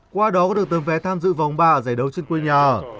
qua đó có được tờ vé tham dự vòng ba giải đấu trên quê nhà